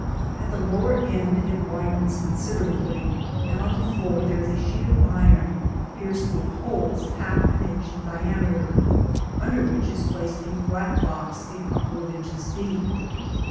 At the lower end it widens considerably, and on the floor there is a sheet of iron pierced with holes half an inch in diameter, under which is placed a flat box a couple of inches deep.